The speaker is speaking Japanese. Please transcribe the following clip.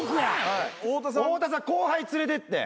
太田さん後輩連れてって。